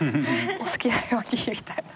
お好きなようにみたいな。